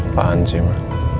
apaan sih ma